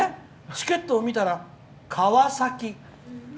チケットを見たら「川崎」。